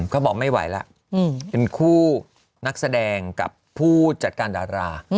เขาบอกไม่ไหวแล้วเป็นคู่นักแสดงกับผู้จัดการดารา